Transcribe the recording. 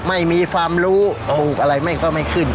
ไม่มีความรู้ปลูกอะไรไม่ก็ไม่ขึ้น